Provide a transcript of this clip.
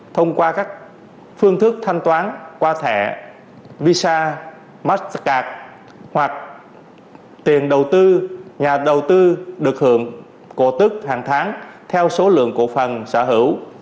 thông qua các phương thức thanh toán qua thẻ visa mastar hoặc tiền đầu tư nhà đầu tư được hưởng cổ tức hàng tháng theo số lượng cổ phần sở hữu